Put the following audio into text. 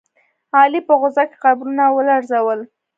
علي په غوسه کې قبرونه ولړزول.